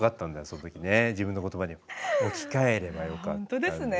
その時ね自分の言葉に置き換えればよかったんだけどね。